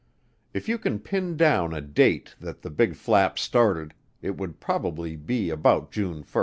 If you can pin down a date that the Big Flap started, it would probably be about June 1.